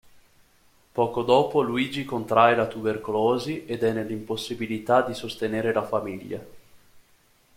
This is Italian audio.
Poco dopo Luigi contrae la tubercolosi ed è nell’impossibilità di sostenere la famiglia.